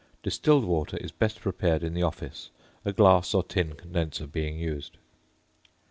Distilled water is best prepared in the office, a glass or tin condenser being used.